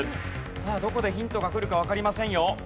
さあどこでヒントがくるかわかりませんよ。